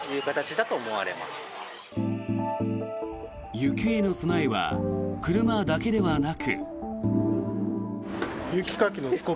雪への備えは車だけではなく。